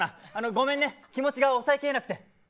ごめんね気持ちが抑えきれなくて。